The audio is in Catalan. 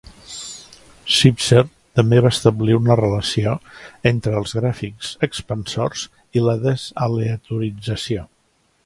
Sipser també va establir una relació entre els gràfics expansors i la desaleatorització.